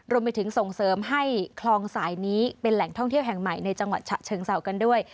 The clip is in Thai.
รวมไปถึงส่งเสริมให้คลองสายนี้เป็นแหล่งท่องเที่ยวแห่งใหม่ในจังหวัดฉะเชิงเศร้ากันด้วย